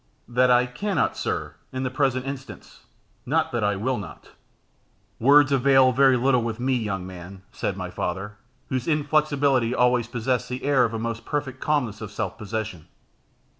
"That I cannot, sir, in the present instance, not that I will not." "Words avail very little with me, young man," said my father, whose inflexibility always possessed the air of the most perfect calmness of self possession.